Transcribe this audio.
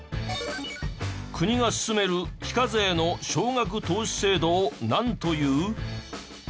国が勧める非課税の少額投資制度をなんという？